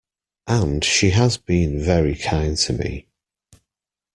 And she has been very kind to me.